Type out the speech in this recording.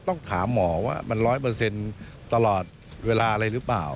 ต้องถามหมอว่ามันร้อยเปอร์เซ็นต์ตลอดเวลาอะไรหรือเปล่า